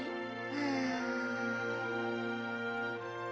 うん。